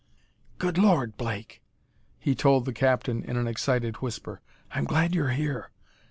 "Good Lord, Blake," he told the captain in an excited whisper; "I'm glad you're here.